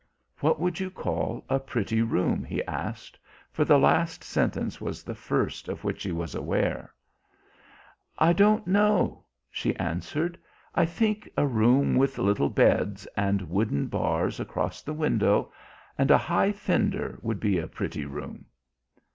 "What would you call a pretty room?" he asked, for the last sentence was the first of which he was aware. "I don't know," she answered. "I think a room with little beds, and wooden bars across the window, and a high fender would be a pretty room."